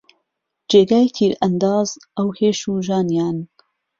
جێگای تیرئهنداز ئهو هێش و ژانیان